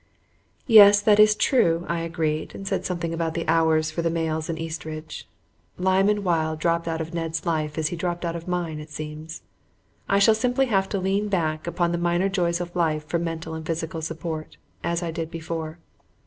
"Yes, that is true," I agreed, and said something about the hours for the mails in Eastridge. Lyman Wilde dropped out of Ned's life as he dropped out of mine, it seems. I shall simply have to lean back upon the minor joys of life for mental and physical support, as I did before.